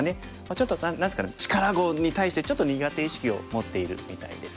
ちょっと何ですかね力碁に対してちょっと苦手意識を持っているみたいですね。